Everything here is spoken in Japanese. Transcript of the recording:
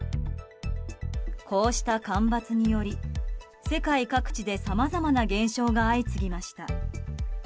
こうした干ばつにより世界各地でさまざまな現象が相次ぎました。